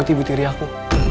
lebih kiri aku